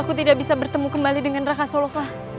aku tidak bisa bertemu kembali dengan raka soloka